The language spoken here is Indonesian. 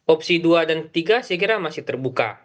opsi dua dan tiga saya kira masih terbuka